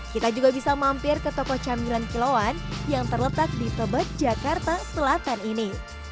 kita juga bisa mampir ke toko camilan kiloan yang terletak di tebet jakarta selatan ini